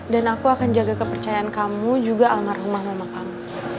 dan aku akan jaga kepercayaan kamu juga almarhumah mama kamu